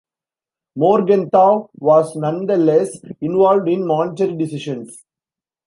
Morgenthau was nonetheless involved in monetary decisions.